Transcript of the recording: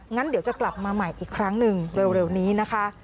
งั้นเดี๋ยวจะกลับมาใหม่อีกครั้งหนึ่งเร็วนี้นะคะ